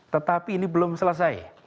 tetapi ini belum selesai